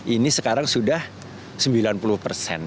ini sekarang sudah sembilan puluh persen